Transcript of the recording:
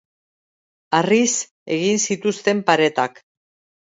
Harriz egin zituzten paretak.